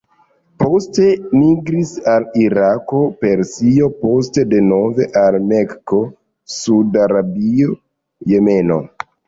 Poste migris al Irako, Persio, poste denove al Mekko, Sud-Arabio, Jemeno.